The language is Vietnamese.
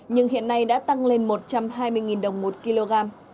nhưng hiện nay đã tăng lên một trăm hai mươi đồng một kg